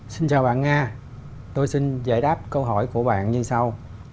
xin chào bạn nga tôi xin giải đáp câu hỏi của bạn như sau